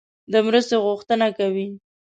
د مرستې غوښتنه کوي.